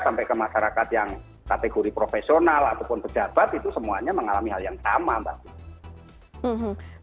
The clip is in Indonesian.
sampai ke masyarakat yang kategori profesional ataupun pejabat itu semuanya mengalami hal yang sama mbak